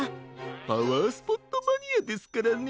パワースポットマニアですからね。